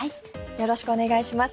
よろしくお願いします。